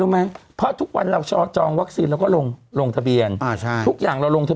มาดูแล้วกันว่าเป็นยังไง